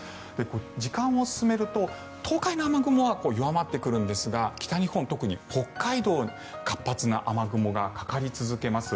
時間を進めると東海の雨雲は弱まってくるんですが北日本、特に北海道活発な雨雲がかかり続けます。